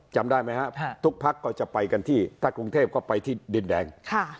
จำได้ไหมครับทุกพักก็จะไปกันที่ถ้ากรุงเทพก็ไปที่ดินแดง